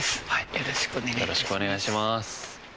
よろしくお願いします。